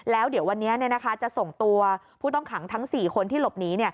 แล้วเดี๋ยววันนี้จะส่งตัวผู้ต้องขังทั้ง๔คนที่หลบหนี